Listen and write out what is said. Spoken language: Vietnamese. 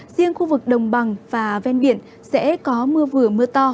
riêng khu vực đồng bằng và ven biển sẽ có mưa vừa mưa to